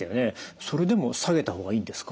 それでも下げた方がいいんですか？